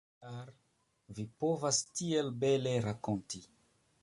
Ĉar vi povas tiel bele rakonti.